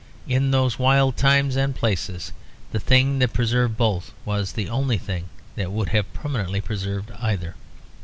In those wild times and places, the thing that preserved both was the only thing that would have permanently preserved either.